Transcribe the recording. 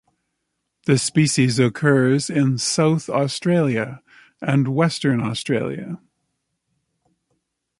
The species occurs in South Australia and Western Australia.